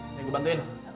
udah deh yang gue bantuin